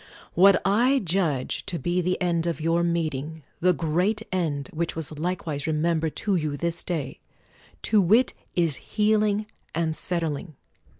What I judge to be the end of your meeting, the great end, which was likewise remembered to you this day; to wit, is healing and settling.